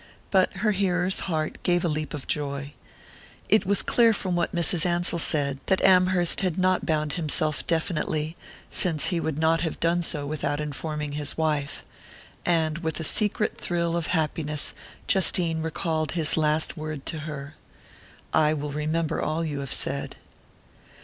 But her hearer's heart gave a leap of joy. It was clear from what Mrs. Ansell said that Amherst had not bound himself definitely, since he would not have done so without informing his wife. And with a secret thrill of happiness Justine recalled his last word to her: "I will remember all you have said."